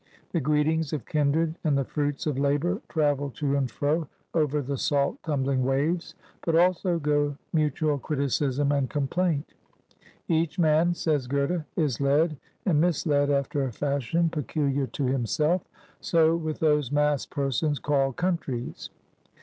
The greetings of kindred and the fruits of labor travel to and fro over the* salt, tumbling waves. But also go mutu al criticism and complaint. ^^Each man, says Goethe, ^'is led and misled after a fashion peculiar to himself.'* So with those mass persons called countries.